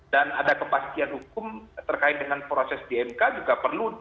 dan ada kepastian hukum terkait dengan proses di mk juga perlu dijamin oleh mk